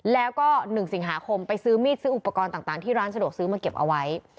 แล้วก็๑สิงหาคมไปซื้อมีดซื้ออุปกรณ์ต่างที่ร้านสะดวกซื้อมาเก็บเอาไว้